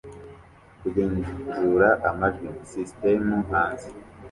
Kugenzura amajwi sisitemu hanze